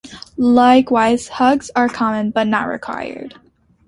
Likewise, hugs are common but not required.